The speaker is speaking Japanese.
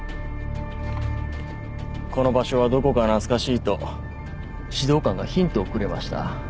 この場所はどこか懐かしいと指導官がヒントをくれました。